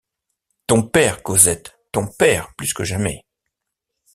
Ton père, Cosette! ton père plus que jamais.